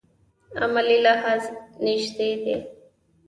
عملي لحاظ نژدې دي.